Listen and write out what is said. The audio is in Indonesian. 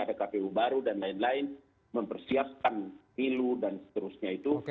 ada kpu baru dan lain lain mempersiapkan pilu dan seterusnya itu